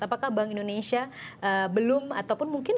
apakah bank indonesia belum ataupun mungkin